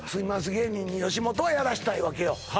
芸人に吉本はやらしたいわけよ